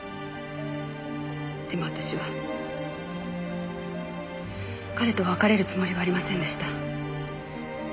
でも私は彼と別れるつもりはありませんでした。